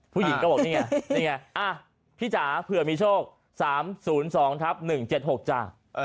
ผู้หญิงก็บอกนี่ไงนี่ไงพี่จ๋าเผื่อมีโชค๓๐๒ทับ๑๗๖จ้ะ